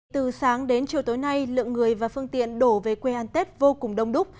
từ sáng đến chiều tối nay lượng người và phương tiện đổ về quê an tết vô cùng đông đúc